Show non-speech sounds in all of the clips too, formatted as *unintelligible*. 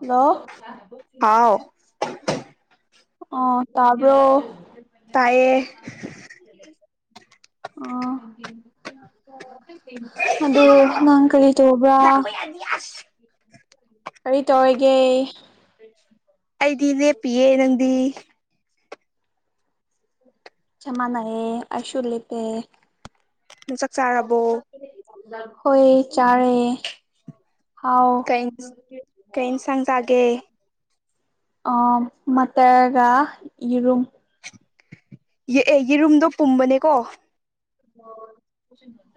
ꯂꯣ ꯍꯥꯎ ꯑꯣ ꯇꯥꯕ꯭ꯔꯣ ꯇꯥꯏꯌꯦ ꯑꯣ ꯑꯗꯨ ꯅꯪ ꯀꯔꯤ ꯇꯧꯕ꯭ꯔꯥ *unintelligible* ꯀꯔꯤ ꯇꯧꯋꯤꯒꯦ ꯑꯩꯗꯤ ꯂꯦꯞꯄꯤꯌꯦ ꯅꯪꯗꯤ ꯆꯞ ꯃꯥꯅꯌꯦ ꯑꯩꯁꯨꯨ ꯂꯦꯞꯄꯦ ꯅꯪ ꯆꯥꯛ ꯆꯥꯔꯕꯣ ꯍꯣꯏ ꯆꯥꯔꯦ ꯍꯥꯎ ꯀꯩ ꯀꯩ ꯏꯟꯁꯥꯡ ꯆꯥꯒꯦ ꯑꯥ ꯃꯇꯔꯒ ꯌꯦꯔꯨꯝ ꯌꯦꯑꯦ ꯌꯦꯔꯨꯝꯗꯣ ꯄꯨꯝꯕꯅꯦꯀꯣ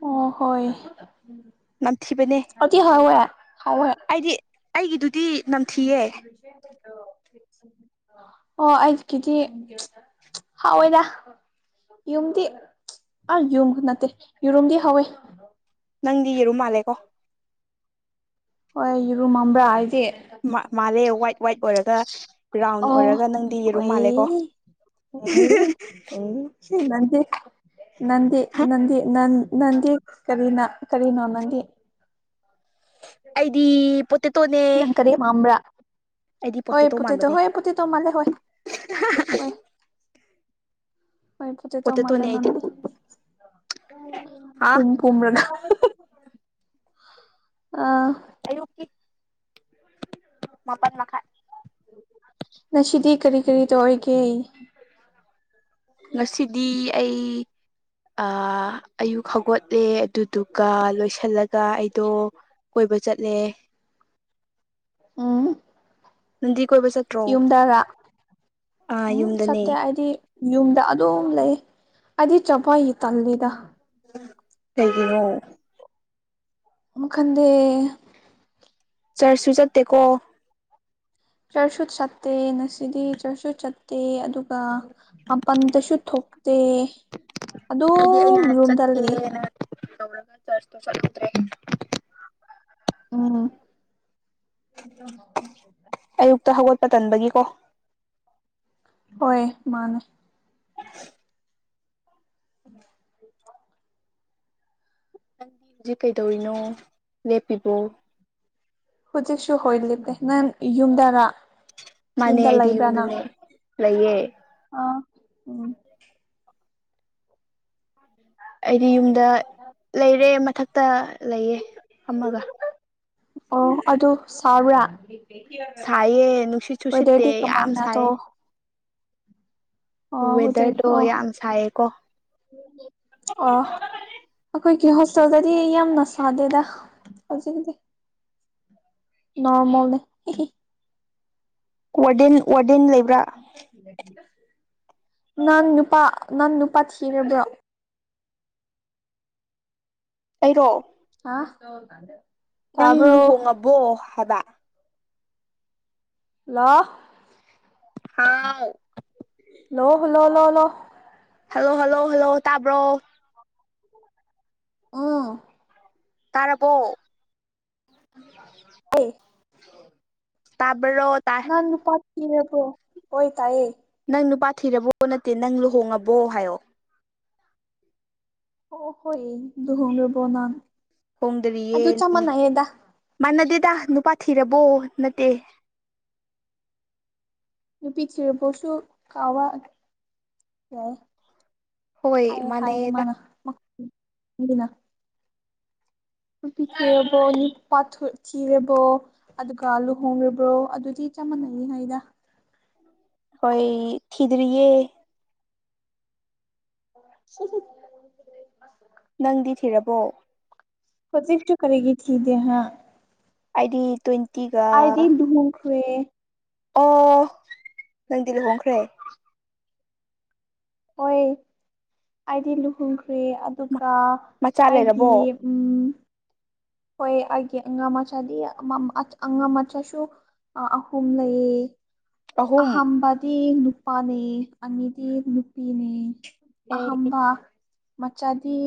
ꯑꯣ ꯍꯣꯏ ꯅꯝꯊꯤꯕꯅꯦ ꯑꯗꯤ ꯍꯥꯎꯋꯦ ꯍꯥꯎꯋꯦ ꯑꯩꯗꯤ ꯑꯩꯒꯤꯗꯨꯗꯤ ꯅꯝꯊꯤꯌꯦ *unintelligible* ꯔꯣꯏꯁꯦ *inaudible* ꯑꯣ ꯑꯩꯒꯤꯗꯤ ꯍꯥꯎꯋꯦꯗ ꯌꯨꯝꯗꯤ ꯑꯥ ꯌꯨꯝ ꯅꯠꯇꯦ ꯌꯦꯔꯨꯝꯗꯤ ꯍꯥꯎꯋꯦ ꯅꯪꯗꯤ ꯌꯦꯔꯨꯝ ꯃꯥꯜꯂꯦꯀꯣ ꯍꯣꯏ ꯌꯦꯔꯨꯝ ꯃꯝꯕ꯭ꯔꯥ ꯑꯩꯖꯤ ꯃꯥ ꯃꯥꯜꯂꯦ ꯋꯥꯏꯠ ꯋꯥꯏꯠ ꯑꯣꯏꯔꯒ ꯔꯥꯎꯟ ꯑꯣ ꯑꯣꯏꯔꯒ ꯅꯪꯗꯤ ꯌꯦꯔꯨꯝ ꯃꯥꯜꯂꯦ ꯀꯣ ꯑꯣꯏ ꯅꯟꯗꯤ ꯅꯟꯗꯤ ꯅꯟ ꯅꯟꯗꯤ ꯀꯔꯤꯅ ꯀꯔꯤꯅꯣ ꯅꯪꯗꯤ ꯑꯩꯗꯤ ꯄꯣꯇꯦꯇꯣꯅꯦ ꯅꯪ ꯀꯔꯤ ꯃꯝꯕ꯭ꯔꯥ ꯑꯩꯗꯤ ꯍꯣꯏ ꯄꯣꯇꯦꯇꯣ ꯃꯥꯟꯕꯅꯦ ꯍꯣꯏ ꯄꯣꯇꯦꯇꯣ ꯃꯥꯜꯂꯦ ꯍꯣꯏ ꯍꯣꯏ ꯍꯣꯏ ꯄꯣꯇꯦꯇꯣ ꯃꯥꯜꯂꯦ ꯄꯣꯇꯦꯇꯣꯅꯦ ꯑꯩꯗꯤ ꯅꯟꯗꯤ ꯍꯥ ꯄꯨꯝ ꯄꯨꯝꯔꯒ ꯑꯥ ꯑꯌꯨꯀꯤ ꯃꯥꯄꯥꯟ ꯂꯥꯛ ꯉꯁꯤꯗꯤ ꯀꯔꯤ ꯀꯔꯤ ꯇꯧꯔꯤꯒꯦ ꯉꯁꯤꯗꯤ ꯑꯩ ꯑ ꯑꯌꯨꯛ ꯍꯧꯒꯠꯂꯦ ꯑꯗꯨꯗꯨꯒ ꯂꯣꯏꯁꯤꯜꯂꯒ ꯑꯩꯗꯣ ꯀꯣꯏꯕ ꯆꯠꯂꯦ ꯎꯝ ꯅꯪꯗꯤ ꯀꯣꯏꯕ ꯆꯠ ꯌꯨꯝꯗꯔ ꯑꯥ ꯎꯝ ꯌꯨꯝꯗꯅꯦ ꯆꯠꯇꯦ ꯑꯩꯗꯤ ꯌꯨꯝꯗ ꯑꯗꯨꯝ ꯂꯩ ꯑꯩꯗꯤ ꯆꯄꯩ ꯇꯜꯂꯤꯗ ꯀꯩꯒꯤꯅ ꫭ ꯑꯃꯨꯛꯈꯟꯗꯦ ꯆꯔꯁꯨ ꯆꯠꯇꯦꯀꯣ ꯆꯔꯆꯁꯨꯠ ꯆꯠꯇꯦ ꯅꯁꯤꯗꯤ ꯆꯔꯆꯁꯨ ꯆꯠꯇꯦ ꯑꯗꯨꯒ ꯃꯄꯟꯇꯁꯨ ꯊꯣꯛꯇꯦ ꯍꯥꯏꯗꯤ ꯑꯩꯅ ꯑꯗꯨꯝ ꯔꯨꯝꯗ ꯂꯩꯌꯦ ꯆꯠꯀꯦꯅ ꯇꯧꯔꯒ ꯆꯔꯆ ꯇꯣ ꯆꯠꯂꯨꯇ꯭ꯔꯦ ꯎꯝ ꯑꯌꯨꯛꯇ ꯍꯧꯒꯠꯄ ꯇꯟꯕꯒꯤꯀꯣ ꯍꯣꯏ ꯃꯥꯅꯦ *inaudible* ꯎꯝ ꯅꯪꯗꯤ ꯍꯧꯖꯤꯛ ꯀꯩꯗꯧꯔꯤꯅꯣ ꯂꯦꯞꯄꯤꯕꯣ ꯍꯧꯖꯤꯛꯁꯨ ꯍꯣꯏ ꯂꯤꯕꯕꯦ ꯅꯪ ꯌꯨꯝꯗꯔ ꯃꯥꯅꯦ ꯌꯨꯝꯗ ꯑꯩꯗꯤ ꯂꯩꯕ꯭ꯔꯥ ꯅꯪ ꯌꯨꯝꯗꯅꯦ ꯂꯩꯌꯦ ꯑ ꯎꯝ ꯑꯩꯗꯤ ꯌꯨꯝꯗ ꯂꯩꯔꯦ ꯃꯊꯛꯇ ꯂꯩꯌꯦ ꯐꯝꯃꯒ ꯑꯣ ꯑꯗꯨ ꯁꯕ꯭ꯔꯥ ꯁꯥꯏꯌꯦ ꯅꯨꯡꯁꯤꯠꯁꯨ ꯁꯤꯠꯇꯦ ꯋꯦꯗꯔꯗꯤ ꯌꯥꯝ ꯀꯃꯥꯏꯅ ꯇꯣ ꯁꯥꯏꯌꯦ ꯋꯦꯗꯔ ꯋꯦꯗꯔꯗꯣ ꯑꯣ ꯌꯥꯝ ꯁꯥꯏꯌꯦꯀꯣ ꯑꯣ ꯑꯈꯣꯏꯒꯤ ꯍꯣꯁꯇꯦꯜꯗꯗꯤ ꯌꯥꯝꯅ ꯁꯥꯗꯦꯗ ꯍꯧꯖꯤꯛꯗꯤ ꯅꯣꯔꯃꯜꯅꯦ ꯋꯥꯔꯗꯦꯟ ꯋꯥꯔꯗꯦꯟ ꯂꯩꯕ꯭ꯔꯥ ꯅꯪ ꯅꯨꯄꯥ ꯅꯪ ꯅꯨꯄꯥ ꯊꯤꯔꯕ꯭ꯔꯣ ꯑꯩꯔꯣ ꯑꯥ ꯅꯪ ꯂꯨꯍꯣꯡꯉꯕꯣ ꯍꯥꯏꯕ ꯍꯜꯂꯣ ꯍꯥꯎ ꯂꯣ ꯍꯜꯂꯣ ꯂꯣ ꯂꯣ ꯍꯜꯂꯣ ꯍꯜꯂꯣ ꯍꯜꯂꯣ ꯇꯥꯕ꯭ꯔꯣ *inaudible* ꯎꯝ ꯇꯥꯔꯕꯣ ꯑꯦ ꯇꯥꯕ꯭ꯔꯣ ꯇꯥꯏ ꯅꯪ ꯅꯨꯄꯥ ꯊꯤꯔꯕꯣ ꯍꯣꯏ ꯇꯥꯏꯌꯦ ꯅꯪ ꯅꯨꯄꯥ ꯊꯤꯔꯕꯣ ꯅꯠꯇꯦ ꯅꯪ ꯂꯨꯍꯣꯡꯉꯕꯣ ꯍꯥꯏꯌꯣ ꯑꯣ ꯍꯣꯏꯌꯦ ꯂꯨꯍꯣꯡꯔꯕꯣ ꯅꯪ ꯑꯗꯨ ꯍꯣꯡꯗꯔꯤꯌꯦ ꯆꯞ ꯃꯥꯟꯅꯩꯌꯦꯗ ꯃꯥꯟꯅꯗꯦꯗ ꯅꯨꯄꯥ ꯊꯤꯔꯕꯣ ꯅꯠꯇꯦ ꯅꯨꯄꯤ ꯊꯤꯔꯕꯣꯁꯨ ꯀꯥꯎꯕꯥ ꯌꯥꯏ ꯍꯣꯏ ꯍꯥꯏꯌꯦ ꯍꯥꯏꯌꯦ ꯃꯥꯟꯅꯩꯌꯦꯗ ꯃꯥꯅ ꯃꯛ ꯃꯤꯅ ꯅꯨꯄꯤ ꯊꯤꯔꯕꯣ ꯅꯨꯄꯥ ꯊꯨ ꯊꯤꯔꯕꯣ ꯑꯗꯨꯒ ꯂꯨꯍꯣꯡꯔꯕ꯭ꯔꯣ ꯑꯗꯨꯗꯤ ꯆꯞ ꯃꯥꯟꯅꯩ ꯍꯥꯏꯗ ꯍꯣꯏ ꯊꯤꯗ꯭ꯔꯤꯌꯦ *inaudible* ꯅꯪꯗꯤ ꯊꯤꯔꯕꯣ ꯍꯧꯖꯤꯛꯁꯨ ꯀꯔꯤꯒꯤ ꯊꯤꯗꯦ ꯍꯥ ꯑꯩꯗꯤ ꯇꯣꯏꯟ ꯑꯩꯗꯤ ꯂꯨꯍꯣꯡꯈ꯭ꯔꯦ ꯑꯣ ꯅꯪꯗꯤ ꯂꯨꯍꯣꯡꯈ꯭ꯔꯦ ꯍꯣꯏ ꯑꯩꯗꯤ ꯂꯨꯍꯣꯡꯈ꯭ꯔꯦ ꯑꯗꯨꯒ ꯃꯆꯥ ꯑꯩꯒꯤ ꯂꯩꯔꯕꯣ ꯎꯝ ꯍꯣꯏ ꯑꯩꯒꯤ ꯑꯉꯥꯡ ꯃꯆꯥꯗꯤ ꯑꯃꯝ ꯑꯉꯥꯡ ꯃꯆꯥꯁꯨ ꯑꯥ ꯑꯍꯨꯝ ꯂꯩꯌꯦ ꯑꯍꯨꯝ ꯑꯍꯝꯕꯗꯤ ꯅꯨꯄꯥꯅꯦ ꯑꯅꯤꯗꯤ ꯅꯨꯄꯤꯅꯦ ꯑꯩ ꯑꯍꯝꯕ ꯃꯆꯥꯗꯤ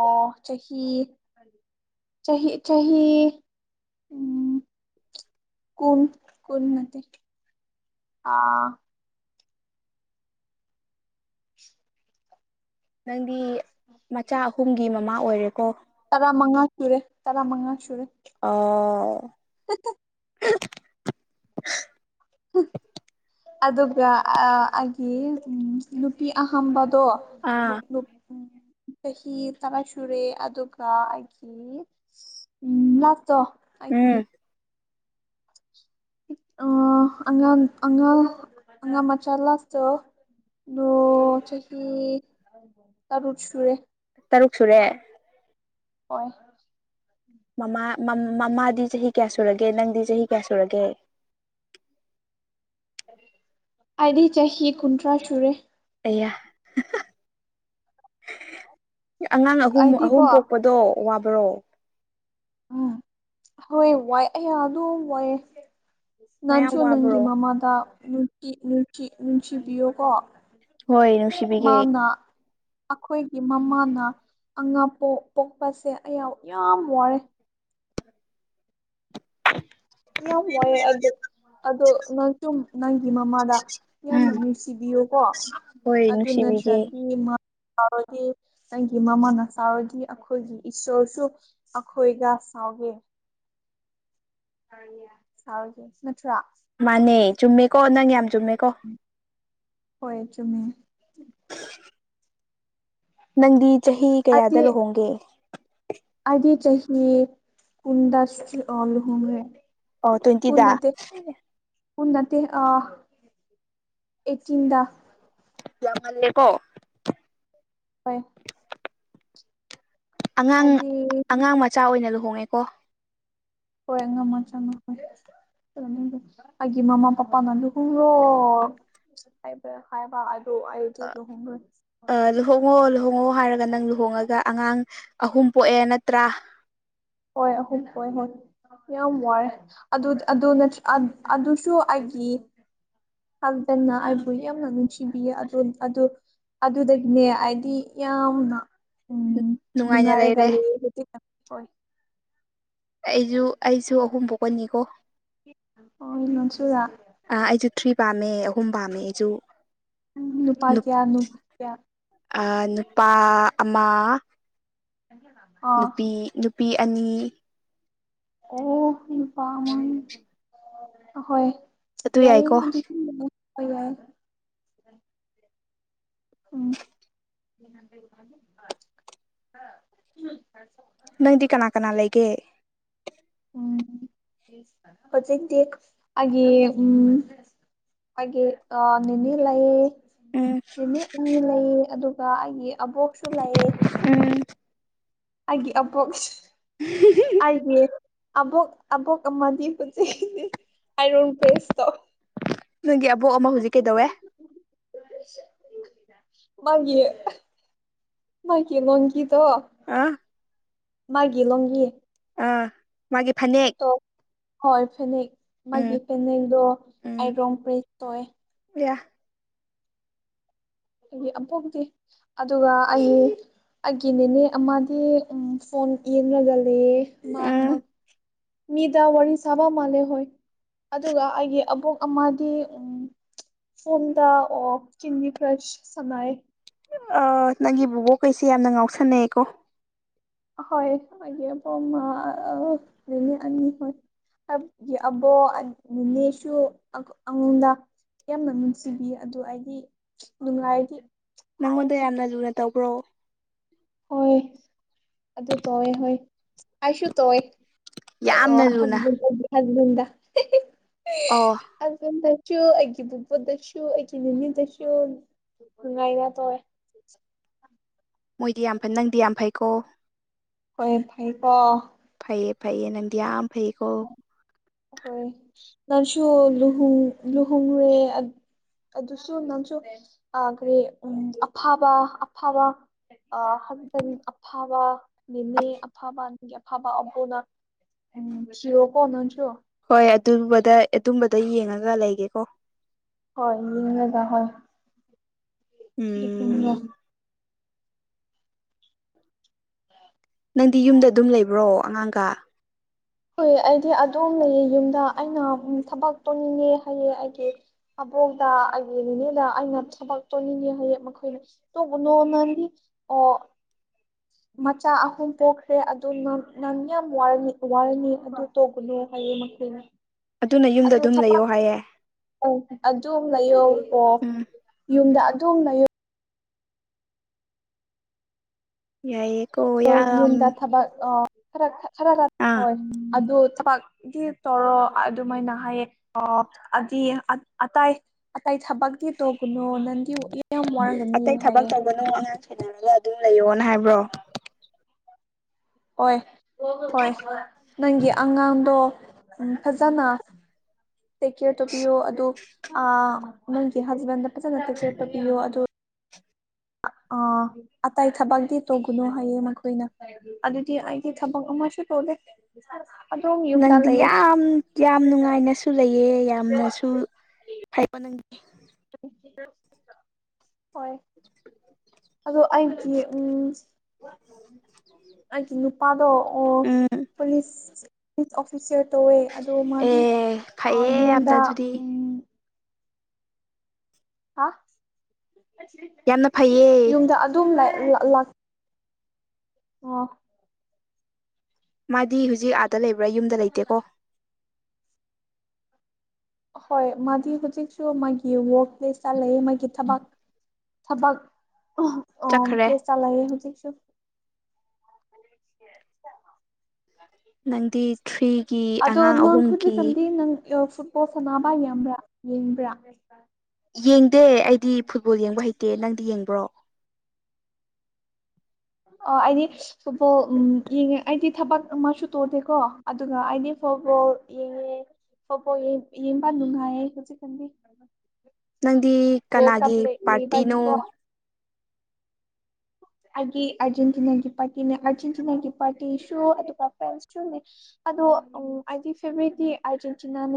ꯑꯣ ꯆꯍꯤ ꯆꯍꯤ ꯆꯍꯤ ꯎꯝ ꯀꯨꯟ ꯀꯨꯟ ꯅꯠꯇꯦ ꯑꯥ ꯅꯪꯗꯤ ꯃꯆꯥ ꯑꯍꯨꯝꯒꯤ ꯃꯃꯥ ꯑꯣꯏꯔꯦꯀꯣ ꯇꯔꯥ ꯃꯉꯥ ꯁꯨꯔꯦ ꯇꯔꯥ ꯃꯉꯥ ꯁꯨꯔꯦ ꯑꯣ *unintelligible* ꯑꯗꯨꯒ ꯑꯥ ꯑꯩꯒꯤ ꯎꯝ ꯅꯨꯄꯤ ꯑꯍꯝꯕꯗꯣ ꯑꯥ *unintelligible* ꯆꯍꯤ ꯇꯔꯥ ꯁꯨꯔꯦ ꯑꯗꯨꯒ ꯑꯩꯒꯤ ꯎꯝ ꯂꯥꯁꯇꯣ ꯑꯩꯒꯤ ꯎꯝ ꯑꯥ ꯑꯉꯥꯡ ꯑꯉꯥꯡ ꯑꯉꯥꯡ ꯃꯆꯥ ꯂꯥꯁꯇꯣ ꯅꯣꯡ ꯆꯍꯤ ꯇꯔꯨꯛ ꯁꯨꯔꯦ ꯇꯔꯨꯛ ꯁꯨꯔꯦ ꯍꯣꯏ ꯃꯃꯥ ꯃꯝ ꯃꯃꯥꯗꯤ ꯆꯍꯤ ꯀꯌꯥ ꯁꯨꯔꯒꯦ ꯅꯪꯗꯤ ꯆꯍꯤ ꯀꯌꯥ ꯁꯨꯔꯒꯦ ꯑꯩꯗꯤ ꯆꯍꯤ ꯀꯨꯟꯊ꯭ꯔꯥ ꯁꯨꯔꯦ ꯑꯌꯥ ꯑꯉꯥꯡ ꯑꯍꯨꯝ ꯑꯍꯨꯝ ꯑꯩꯗꯤꯀꯣ ꯄꯣꯛꯄꯗꯣ ꯋꯥꯕ꯭ꯔꯣ ꯎꯝ ꯍꯣꯏ ꯋꯥꯏ ꯑꯩꯌꯥ ꯑꯗꯨꯝ ꯋꯥꯏꯑꯦ ꯃꯌꯥꯝ ꯅꯪꯁꯨ ꯅꯪꯒꯤ ꯋꯥꯕ꯭ꯔꯣ ꯃꯃꯥꯗ ꯅꯨꯡꯇꯤ ꯅꯨꯡꯁꯤ ꯅꯨꯡꯁꯤꯕꯤꯌꯣ ꯀꯣ ꯍꯣꯏ ꯅꯨꯡꯁꯤꯕꯤꯒꯦ ꯃꯥꯅ ꯑꯈꯣꯏꯒꯤ ꯃꯃꯥꯅ ꯑꯉꯥꯡ ꯄꯣꯛ ꯄꯣꯛꯄꯁꯦ ꯑꯩ ꯌꯥ ꯌꯥꯝ ꯋꯥꯔꯦ ꯌꯥꯝ ꯋꯥꯏꯑꯦ ꯑꯩꯗꯣ ꯑꯗꯣ ꯅꯪ ꯇꯨꯝ ꯅꯪꯒꯤ ꯃꯃꯥꯗ ꯌꯥꯝꯅ ꯎꯝ ꯅꯨꯡꯁꯤꯕꯤꯌꯨꯀꯣ ꯍꯣꯏ ꯑꯗꯨ ꯅꯨꯡꯁꯤꯕꯤꯒꯦ ꯅꯠꯇ꯭ꯔꯗꯤ ꯃꯥ ꯔꯗꯤ ꯑꯩꯒꯤ ꯃꯃꯥꯅ ꯁꯥꯎꯔꯗꯤ ꯑꯩꯈꯣꯏꯒꯤ ꯏꯁꯣꯔꯁꯨ ꯑꯩꯈꯣꯏꯒ ꯁꯥꯎꯗꯦ ꯅꯣꯏꯒ ꯁꯥꯎꯗꯦ ꯅꯠꯇ꯭ꯔꯥ ꯃꯥꯅꯦ ꯆꯨꯝꯃꯦꯀꯣ ꯅꯪ ꯌꯥꯝ ꯆꯨꯝꯃꯦꯀꯣ ꯍꯣꯏ ꯆꯨꯝꯃꯤ ꯅꯪꯗꯤ ꯆꯍꯤ ꯀꯌꯥꯗ ꯑꯩꯗꯤ ꯂꯨꯍꯣꯡꯒꯦ ꯑꯩꯗꯤ ꯆꯍꯤ ꯀꯨꯟꯗ ꯂꯨꯍꯣꯡꯒ꯭ꯔꯦ ꯑꯣ ꯇ꯭ꯋꯦꯟꯇꯤꯗ ꯎꯟ ꯅꯠꯇꯦ ꯑ ꯑꯩꯠꯇꯤꯟꯗ ꯌꯥꯝꯃꯜꯂꯦꯀꯣ ꯍꯣꯏ ꯑꯉꯥꯡ ꯍꯥꯏꯗꯤ ꯑꯉꯥꯡ ꯃꯆꯥ ꯑꯣꯏꯅ ꯂꯨꯍꯣꯡꯉꯦꯀꯣ ꯍꯣꯏ ꯑꯉꯥꯡ ꯃꯥꯆꯥ *unintelligible* ꯑꯩꯒꯤ ꯃꯃꯥ ꯄꯄꯥꯅ ꯂꯨꯍꯣꯡꯔꯣ ꯍꯥꯏꯕ꯭ꯔꯥ ꯍꯥꯏꯕ ꯑꯗꯨ ꯑꯩ ꯑ ꯂꯨꯍꯣꯡ ꯍꯣꯡꯉꯣ ꯂꯨꯍꯣꯡꯉꯣ ꯍꯥꯏꯔꯒ ꯅꯪ ꯂꯨꯍꯣꯡꯉꯒ ꯑꯉꯥꯡ ꯑꯍꯨꯝ ꯄꯣꯛꯑꯦ ꯅꯠꯇ꯭ꯔꯥ ꯍꯣꯏ ꯑꯍꯨꯝ ꯄꯣꯛꯑꯦ ꯍꯣꯏ ꯌꯥꯝ ꯋꯥꯔꯦ ꯑꯗꯨ ꯑꯗꯨ ꯑꯗꯨꯁꯨ ꯑꯩꯒꯤ ꯃꯥꯇꯅ ꯑꯩꯕꯨ ꯌꯥꯝꯅ ꯅꯨꯡꯁꯤꯕꯤꯌꯦ ꯑꯗꯨ ꯑꯗꯨ ꯑꯗꯨꯗꯒꯤꯅꯦ ꯑꯩꯗꯤ ꯌꯥꯝꯅ ꯎꯝ ꯅꯨꯡꯉꯥꯏꯅ ꯅꯨꯡꯉꯥꯏꯔꯒ ꯂꯩꯔꯦ ꯂꯩꯌꯦ ꯑꯩꯗꯤ ꯌꯥꯝꯅ ꯍꯣꯏ ꯑꯩꯁꯨ ꯑꯩꯁꯨ ꯑꯍꯨꯝ ꯄꯣꯛꯀꯅꯤꯀꯣ ꯑꯣꯢ ꯅꯪꯁꯨꯔꯥ ꯑꯥ ꯑꯩꯁꯨ ꯊ꯭ꯔꯤ ꯄꯥꯝꯃꯦ ꯑꯍꯨꯝ ꯄꯥꯝꯃꯦ ꯑꯩꯁꯨ ꯅꯨꯄꯥꯥ ꯀꯌꯥ ꯅꯨꯄꯤ ꯀꯌꯥ ꯑ ꯅꯨꯄꯥ ꯑꯃ *unintelligible* ꯅꯨꯄꯤ ꯅꯨꯄꯤ ꯑꯅꯤ ꯑꯣ ꯅꯨꯄꯥ ꯑꯃꯥ ꯑꯍꯣꯏ ꯑꯗꯨ ꯌꯥꯏꯌꯦ ꯌꯥꯏꯀꯣ ꯑꯗꯨꯗꯤ ꯑꯗꯨꯝ ꯑꯗꯨꯒ ꯎꯝ ꯅꯪꯗꯤ ꯀꯅꯥ ꯀꯅꯥ ꯂꯩꯒꯦ ꯎꯝ ꯍꯧꯖꯤꯛꯇꯤ ꯑꯩꯒꯤ ꯎꯝ ꯑꯩꯒꯤ ꯑꯥ ꯅꯦꯅꯦ ꯂꯩ ꯎꯝ ꯅꯨꯃꯤꯠ ꯑꯅꯤ ꯂꯩꯌꯦ ꯑꯗꯨꯒ ꯑꯩꯒꯤ ꯑꯕꯣꯛꯁꯨ ꯂꯩꯌꯦ ꯎꯝ ꯑꯩꯒꯤ ꯑꯕꯣꯛꯁ ꯑꯩꯒꯤ ꯑꯕꯣꯛ ꯑꯕꯣꯛ ꯑꯃꯗꯤ *unintelligible* ꯅꯪꯒꯤ ꯑꯕꯣꯛ ꯑꯃ ꯍꯧꯖꯤꯛ ꯀꯩꯗꯧꯋꯦ ꯃꯪꯒꯤ ꯃꯪꯀꯤ ꯃꯪꯀꯤ ꯇꯣ ꯑꯥ ꯃꯥꯒꯤ ꯃꯪꯒꯤ ꯑꯥ ꯃꯥꯒꯤ ꯐꯅꯦꯡ ꯇꯣ ꯍꯣꯏ ꯐꯅꯦꯡ ꯎꯝ ꯃꯥꯒꯤ ꯐꯅꯦꯡꯗꯣ ꯎꯝ ꯑꯩꯔꯣꯡ *unintelligible* ꯌꯥ *unintelligible* ꯑꯗꯨꯒ ꯑꯩ ꯑꯩꯒꯤꯅꯦꯅꯦ ꯃꯥꯗꯤ ꯑꯝ ꯐꯣꯟ ꯌꯦꯡꯒ ꯂꯩꯌꯦ ꯃꯥ ꯎꯝ ꯃꯛ ꯃꯤꯗꯥ ꯋꯥꯔꯤ ꯁꯥꯕ ꯃꯂꯦꯜ ꯍꯣꯢ ꯑꯗꯨꯒ ꯑꯩꯒꯤ ꯑꯕꯣꯛ ꯑꯃꯗꯤ ꯎꯝ ꯐꯣꯟꯗ ꯑꯣ ꯆꯤꯟꯅꯤ *unintelligible* ꯑꯥ ꯅꯪꯒꯤ ꯕꯣꯕꯣꯛ ꯀꯩꯁꯦ ꯌꯥꯝꯅ ꯉꯥꯎꯁꯟꯅꯩꯑꯀꯣ ꯍꯣꯢ ꯑꯩꯒꯤꯕꯣꯛ ꯑꯃ ꯑꯥ ꯅꯤꯅꯦ ꯑꯅꯤ ꯍꯣꯢ ꯑꯕ ꯑꯕꯣꯛ ꯑꯟ ꯅꯦꯅꯦꯁꯨ *unintelligible* ꯑꯉꯣꯟꯗ ꯌꯥꯝꯅ ꯅꯨꯡꯁꯤꯕꯤꯌꯦ ꯑꯗꯨ ꯑꯩꯗꯤ ꯅꯨꯡꯉꯥꯏꯔꯤ ꯅꯪꯉꯣꯟꯗ ꯌꯥꯝꯅ ꯂꯨꯅ ꯇꯧꯕ꯭ꯔꯣ ꯍꯣꯏ ꯑꯗꯨ ꯇꯧꯑꯦ ꯍꯣꯏ ꯑꯩꯁꯨ ꯇꯧꯑꯦ ꯌꯥꯝꯅ ꯂꯨꯅ ꯑꯣ *unintelligible* ꯑꯣ *unintelligible* ꯑꯩꯒꯤ ꯕꯨꯕꯣꯇꯥꯁꯨ ꯑꯩꯒꯤ ꯃꯥꯃꯤꯗꯁꯨ ꯅꯨꯡꯉꯥꯏꯅ ꯇꯧꯋꯦ ꯃꯣꯏꯗꯤ ꯌꯥꯝ ꯐꯩ ꯅꯪꯗꯤ ꯌꯥꯝ ꯐꯩꯀꯣ ꯍꯣꯏ ꯐꯩꯀꯣ ꯐꯩꯌꯦ ꯐꯩꯌꯦ ꯅꯪꯗꯤ ꯌꯥꯝꯅ ꯐꯩꯌꯦꯀꯣ ꯍꯣꯏ ꯅꯪꯁꯨ ꯂꯨꯍꯨꯡ ꯂꯨꯍꯣꯡꯉꯨꯔꯦ ꯑꯗꯨꯁꯨ ꯅꯪꯁꯨ ꯑꯥ ꯀꯔꯤ ꯎꯝ ꯑꯐꯕ ꯑꯐꯕ ꯑꯥ *unintelligible* ꯑꯐꯕ ꯅꯦꯅꯦ ꯑꯐꯥꯕ ꯅꯒꯤ ꯑꯐꯥꯕ ꯑꯃꯛ ꯍꯧꯅ ꯎꯝ ꯁꯤꯔꯣ ꯀꯣꯅꯁꯨ ꯍꯣꯏ ꯑꯗꯨꯝꯕꯗ ꯑꯗꯨꯝꯕꯗ ꯌꯦꯡꯉꯒ ꯂꯩꯒꯦꯀꯣ ꯍꯣꯏ ꯌꯦꯡꯉꯒ ꯍꯣꯏ *unintelligible* ꯎꯝ ꯅꯪꯗꯤ ꯌꯨꯝꯗ ꯑꯗꯨꯝ ꯂꯩꯕ꯭ꯔꯣ ꯑꯉꯥꯡꯒ ꯍꯨꯏ ꯑꯩꯗꯤ ꯑꯗꯨꯝ ꯂꯩꯌꯦ ꯌꯨꯝꯗ ꯑꯩꯅ ꯊꯕꯛ ꯇꯧꯅꯤꯡꯉꯦ ꯍꯥꯏꯌꯦ ꯑꯩꯒꯤ ꯑꯕꯣꯛꯇ ꯑꯩꯒꯤ ꯅꯤꯅꯦꯅ ꯑꯩꯅ ꯊꯕꯛ ꯇꯧꯅꯤꯡꯉꯦ ꯍꯌꯦꯡ ꯃꯈꯣꯏꯅ ꯇꯣꯒꯣꯅꯣ *unintelligible* ꯑꯣ ꯃꯆꯥ ꯑꯍꯨꯝ ꯄꯣꯛꯈ꯭ꯔꯦ ꯑꯗꯨ ꯅꯪ ꯅꯪ ꯌꯥꯝ ꯋꯥꯌꯦ ꯋꯥꯌꯦꯅꯦ ꯑꯗꯨ ꯇꯛꯄꯅꯦ ꯍꯌꯦꯡ *unintelligible* ꯑꯗꯨꯅ ꯌꯨꯝꯗ ꯑꯗꯨꯝ ꯂꯩꯌꯣ ꯍꯥꯏꯌꯦ ꯑꯣ ꯑꯗꯨꯝ ꯂꯩꯌꯣ ꯑꯣ ꯎꯝ ꯌꯨꯝꯗ ꯑꯗꯨꯝ ꯂꯩꯌꯣ ꯌꯥꯏꯌꯦ ꯀꯣ ꯍꯣꯏ ꯌꯨꯝꯗ ꯊꯕꯛ ꯑꯣ ꯈꯔ ꯈꯥ ꯈꯔ ꯈꯔ ꯑꯥ ꯍꯣꯏ ꯑꯗꯨ ꯊꯕꯛ ꯗꯤ ꯇꯔꯣ ꯑꯗꯨꯃꯥꯏꯅ ꯍꯥꯏꯌꯦ ꯍꯥꯏꯗꯤ ꯑꯇꯥꯏ꯫ ꯑꯇꯩ ꯊꯥꯕꯛꯇꯤ ꯇꯣꯒꯅꯣ ꯅꯪ ꯑꯇꯩ ꯊꯕꯛ ꯇꯧꯕꯅꯣ ꯑꯉꯥꯡ ꯁꯦꯟꯅꯔꯒ ꯑꯗꯨꯝ ꯂꯩꯌꯣꯅ ꯍꯥꯏꯕ꯭ꯔꯣ꯫ ꯍꯣꯏ ꯍꯣꯏ ꯅꯪꯒꯤ ꯑꯉꯥꯡꯗꯣ꯫ ꯎꯝ ꯐꯖꯅ ꯇꯦꯛ ꯀꯦꯌꯔ ꯇꯧꯕꯤꯌꯣ ꯑꯗꯨ ꯑꯥ꯫ ꯅꯪꯒꯤ ꯍꯁꯕꯦꯟꯗ ꯐꯖꯅ ꯇꯤꯀꯦꯠꯄ ꯄꯤꯌꯣ ꯑꯗꯨ ꯑ ꯑꯇꯩ ꯊꯕꯛꯇꯤ ꯇꯧꯒꯅꯨ ꯍꯥꯏꯌꯦ ꯃꯈꯣꯏꯅ꯫ ꯑꯗꯨꯗꯤ ꯑꯩꯒꯤ ꯊꯕꯛ ꯑꯃꯁꯨ ꯇꯧꯗꯦ꯫ ꯑꯗꯨꯝ ꯌꯨꯝꯗ ꯅꯪꯗꯤ ꯂꯩꯌꯦ ꯌꯥꯝ ꯌꯥꯝ ꯅꯨꯡꯉꯥꯏꯅꯁꯨ ꯂꯩꯌꯦ ꯌꯥꯝꯅꯁꯨ ꯐꯩ ꯄꯅꯪꯒꯤ ꯍꯣꯏ ꯑꯗꯣ ꯑꯩꯗꯤ ꯎꯝ꯫ *inaudible* ꯑꯩꯒꯤ ꯅꯨꯄꯥꯗꯣ ꯑꯣ ꯎꯝ ꯄꯨꯂꯤꯁ꯫ ꯄꯨ ꯑꯣꯐꯤꯁꯔ ꯇꯧꯋꯦ ꯑꯗꯣ ꯃꯥꯗꯤ ꯑꯦ ꯑꯥ ꯐꯩꯌꯦ ꯌꯥꯝꯅ ꯌꯨꯝꯗ ꯑꯗꯨꯗꯤ ꯎꯝ ꯍꯥ ꯌꯥꯝꯅ ꯐꯩꯌꯦ ꯌꯨꯝꯗ ꯑꯗꯨꯝ ꯂꯩ ꯂꯥꯛ ꯂꯥꯥꯛ ꯑꯣ꯫ ꯃꯥꯗꯤ ꯍꯧꯖꯤꯛ ꯑꯥꯗ ꯂꯩꯕ꯭ꯔꯥ ꯌꯨꯝꯗ ꯂꯩꯇꯦꯀꯣ꯫ ꯍꯣꯏ ꯃꯥꯗꯤ ꯍꯧꯖꯤꯛꯁꯨ ꯃꯥꯒꯤ ꯋꯥꯋꯔꯛ ꯄ꯭ꯂꯦꯁ ꯆꯂ ꯃꯥꯒꯤ ꯊꯕꯛ꯫ ꯊꯕꯛ ꯑ ꯆꯠꯈ꯭ꯔꯦ ꯄ꯭ꯂꯦꯁ ꯆꯂꯑ ꯍꯧꯖꯤꯛꯁꯨ꯫ ꯅꯪꯗꯤ ꯊ꯭ꯔꯤꯒꯤ ꯑꯗꯣ ꯑꯉꯥꯡ ꯅꯪ ꯑꯍꯨꯝꯒꯤ ꯍꯧꯖꯤꯀꯥꯟꯗꯤ ꯅꯪ ꯐꯨꯠꯕꯣꯜ ꯁꯥꯟꯅꯕ ꯌꯥꯝꯕ꯭ꯔꯥ ꯌꯦꯡꯕ꯭ꯔꯥ꯫ ꯌꯦꯡꯗꯦ ꯑꯩꯗꯤ ꯐꯨꯠꯕꯣꯜ ꯌꯦꯡꯕ ꯍꯩꯇꯦ ꯅꯪꯗꯤ ꯌꯦꯡꯕ꯭ꯔꯣ꯫ ꯑ ꯑꯩꯗꯤ ꯐꯨꯠꯕꯣꯜ ꯎꯝ ꯌꯦꯡꯉꯦ ꯑꯩꯗꯤ ꯊꯕꯛ ꯑꯃꯁꯨ ꯇꯣꯗꯦꯀꯣ ꯑꯗꯨꯒ ꯑꯩꯗꯤ ꯐꯨꯠꯕꯣꯜ ꯌꯦꯡꯉꯦ꫰ ꯐꯨꯠꯕꯣꯜ ꯌꯦꯡꯕ ꯅꯨꯡꯉꯥꯏꯌꯦ ꯍꯧꯖꯤꯛ ꯀꯥꯟꯗꯤ꯫ ꯅꯪꯗꯤ ꯀꯅꯥꯒꯤ ꯄꯥꯔꯇꯤꯅꯣ꯫ ꯂꯩꯕꯒꯤꯀꯣ ꯑꯒꯤ ꯑꯔꯖꯦꯟꯇꯤꯅꯥꯒꯤ ꯒꯤ ꯄꯥꯇꯤꯅꯦ ꯑꯔꯖꯦꯟꯇꯤꯅꯥꯒꯤ ꯄꯥꯇꯤ ꯁꯣ ꯑꯗꯨꯒ ꯐ ꯁꯣꯅꯦ꯫ ꯑꯗꯣ ꯑꯩꯗꯤ ꯐꯦꯕꯔꯦꯠꯇꯤ ꯑꯥꯔꯖꯦꯟꯇꯤꯅꯥꯅꯦ꯫